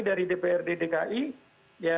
dari dprd dki ya